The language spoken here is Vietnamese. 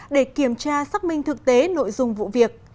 để kiểm tra xác minh thực tế nội dung vụ việc